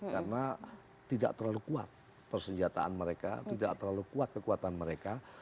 karena tidak terlalu kuat persenjataan mereka tidak terlalu kuat kekuatan mereka